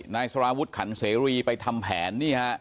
นายสลามุชคันศรีไปรวมทำแผน